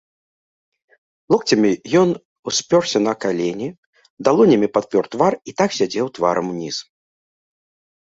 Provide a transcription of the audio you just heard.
Локцямі ён успёрся на калені, далонямі падпёр твар і так сядзеў тварам уніз.